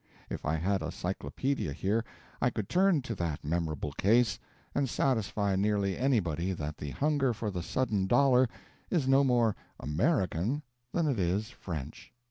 If I had a cyclopaedia here I could turn to that memorable case, and satisfy nearly anybody that the hunger for the sudden dollar is no more "American" than it is French.